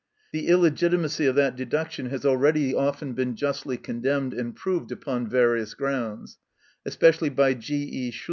The illegitimacy of that deduction has already often been justly condemned and proved upon various grounds, especially by G. E.